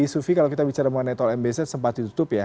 sufi kalau kita bicara mengenai tol mbz sempat ditutup ya